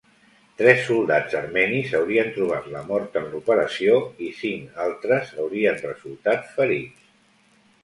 Tres soldats armenis haurien trobat la mort en l'operació i cinc altres haurien resultat ferits.